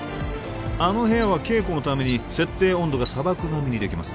あの部屋は稽古のために設定温度が砂漠並みにできます